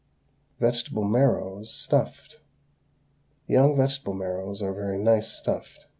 VEGETABLE MARROWS, STUFFED. Young vegetable marrows are very nice stuffed.